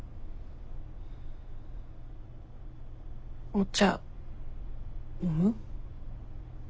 お茶飲む？